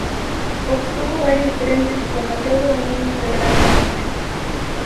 Obtuvo varios premios como todo un niño de gran talento.